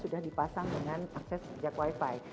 sudah dipasang dengan akses jak wifi